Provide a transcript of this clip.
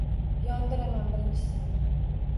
Yondiraman birinchisini